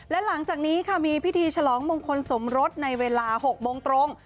และหลังจากนี้ค่ะมีพิธีฉลองมงคลสมรสในเวลา๖โมงตรง